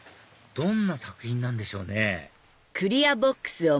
どんな作品なんでしょうね？